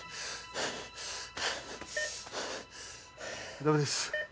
ダメです